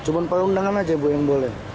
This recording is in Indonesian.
cuma para undangan aja yang boleh